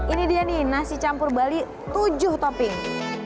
ini dia nih nasi campur bali tujuh topping